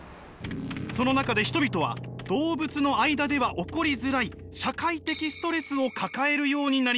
その中で人々は動物の間では起こりづらい社会的ストレスを抱えるようになりました。